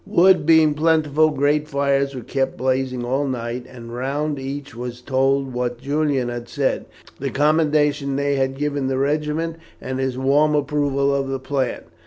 Wood being plentiful, great fires were kept blazing all night, and round each was told what Julian had said, the commendation Ney had given the regiment, and his warm approval of the plan.